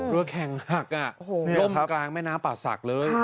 เรือแข่งหักอ่ะล่มกลางแม่น้ำป่าสักเลย